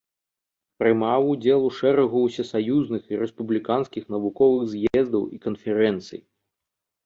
Прымаў удзел у шэрагу усесаюзных і рэспубліканскіх навуковых з'ездаў і канферэнцый.